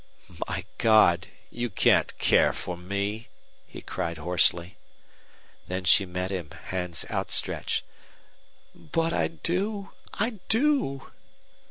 "My God! You can't care for me?" he cried, hoarsely. Then she met him, hands outstretched. "But I do I do!"